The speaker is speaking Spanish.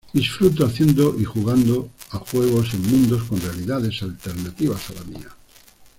Disfruto haciendo y jugando a juegos en mundos con realidades alternativas a la mía.